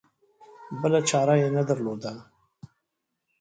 بله چاره یې نه درلوده.